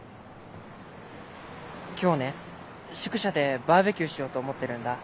今日ね宿舎でバーベキューしようと思ってるんだ。